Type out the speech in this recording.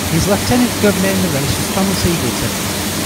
His lieutenant governor in the race was Thomas Eagleton.